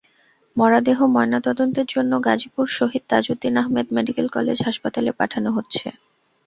মরদেহ ময়নাতদন্তের জন্য গাজীপুর শহীদ তাজউদ্দিন আহমেদ মেডিকেল কলেজ হাসপাতালে পাঠানো হচ্ছে।